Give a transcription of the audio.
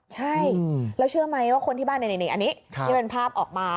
ใช่แล้วเชื่อไหมว่าคนที่บ้านอันนี้ที่เป็นภาพออกมา